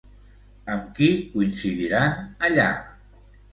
Amb qui coincidiran allà?